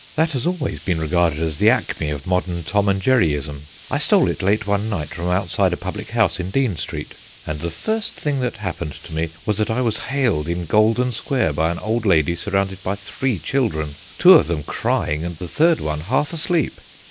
That has always been regarded as the acme of modern Tom and Jerryism. I stole it late one night from outside a public house in Dean Street, and the first thing that happened to me was that I was hailed in Golden Square by an old lady surrounded by three children, two of them crying and the third one half asleep.